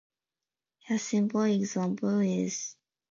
A simple example is an overhead projector transparency.